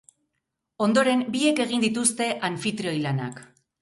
Ondoren, biek egin dituzte anfitrioi lanak.